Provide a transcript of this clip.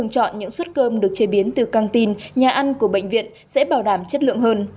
chọn những suất cơm được chế biến từ căng tin nhà ăn của bệnh viện sẽ bảo đảm chất lượng hơn